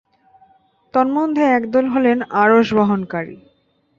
তন্মধ্যে একদল হলেন আরশ বহনকারী।